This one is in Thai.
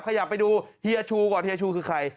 ขยับไปดูเฮียชูก่อนเฮียชูคือใคร